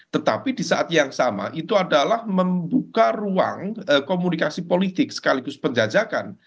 tetapi di saat yang sama itu adalah membuka ruang komunikasi politik sekaligus penjajakan